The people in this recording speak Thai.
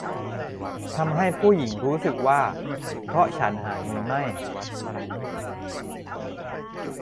ทำให้ผู้หญิงรู้สึกว่า เพราะฉันหาเงินไม่